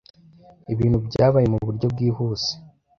Ibintu byabaye muburyo bwihuse.